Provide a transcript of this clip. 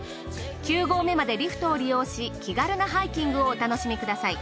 ９合目までリフトを利用し気軽なハイキングをお楽しみください。